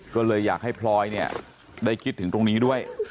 ก็เลยอยากให้พลอยเนี่ยได้คิดถึงตรงนี้ด้วย